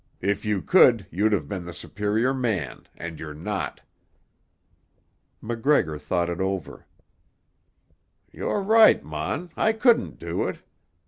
If you could you'd have been the superior man, and you're not." MacGregor thought it over. "You're right, mon, I couldn't do it.